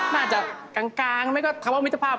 น่าจะกลางไหมก็คำว่ามิตรภาพ